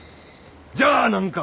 じゃあ何か？